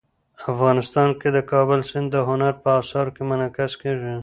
افغانستان کې د کابل سیند د هنر په اثار کې منعکس کېږي.